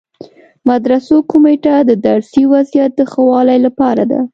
مدرسو کمیټه د درسي وضعیت د ښه والي لپاره ده.